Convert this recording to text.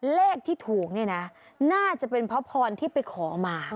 เลขที่ถูกเนี่ยนะน่าจะเป็นเพราะพรที่ไปขอมา